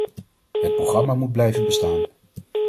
Het programma moet blijven bestaan.